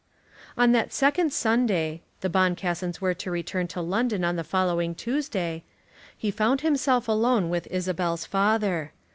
On that second Sunday, the Boncassens were to return to London on the following Tuesday, he found himself alone with Isabel's father.